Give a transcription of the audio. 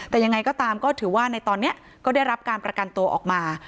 แต่ยังไงก็ตามก็ถือว่าในตอนนี้ก็ได้รับการประกันตัวออกมา